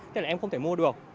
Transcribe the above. thế là em không thể mua được